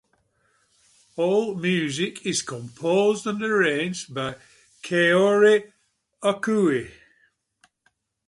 All music is composed and arranged by Kaori Okui.